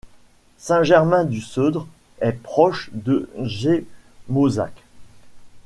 Saint-Germain-du-Seudre est proche de Gémozac.